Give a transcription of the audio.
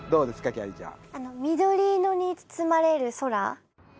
きゃりーちゃん。